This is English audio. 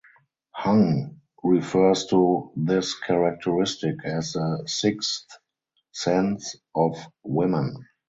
Hung refers to this characteristic as the "Sixth Sense" of women.